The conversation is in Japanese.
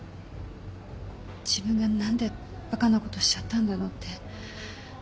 自分が何でバカなことしちゃったんだろうって。